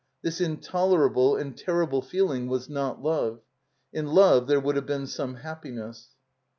This intolerable and terrible feel ing was not love. In love there would have been ^me happiness.